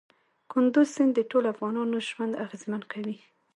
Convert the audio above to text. کندز سیند د ټولو افغانانو ژوند اغېزمن کوي.